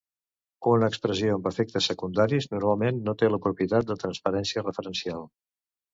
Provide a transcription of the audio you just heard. Una expressió amb efectes secundaris normalment no té la propietat de transparència referencial.